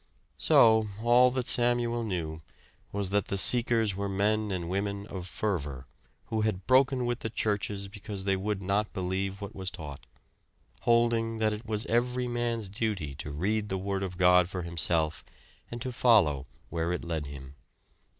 So all that Samuel knew was that the Seekers were men and women of fervor, who had broken with the churches because they would not believe what was taught holding that it was every man's duty to read the Word of God for himself and to follow where it led him.